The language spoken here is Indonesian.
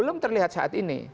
belum terlihat saat ini